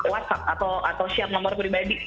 whatsapp atau siap nomor pribadi